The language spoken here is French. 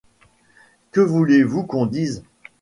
Que voulez-vous qu'on dise ?